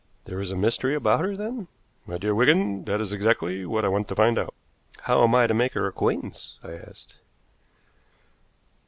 "There is a mystery about her, then?" "My dear Wigan, that is exactly what I want to find out." "How am I to make her acquaintance?" I asked.